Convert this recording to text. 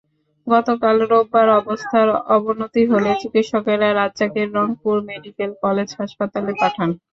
গতকাল রোববার অবস্থার অবনতি হলে চিকিৎসকেরা রাজ্জাককে রংপুর মেডিকেল কলেজ হাসপাতালে পাঠান।